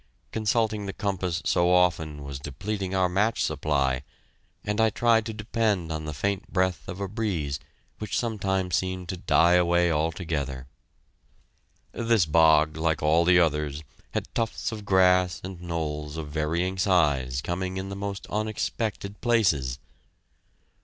Consulting the compass so often was depleting our match supply, and I tried to depend on the faint breath of a breeze which sometimes seemed to die away altogether. This bog, like all the others, had tufts of grass and knolls of varying size coming in the most unexpected places.